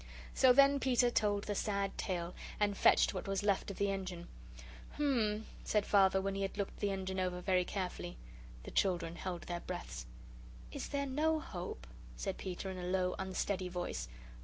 So then Peter told the sad tale, and fetched what was left of the Engine. "Hum," said Father, when he had looked the Engine over very carefully. The children held their breaths. "Is there NO hope?" said Peter, in a low, unsteady voice.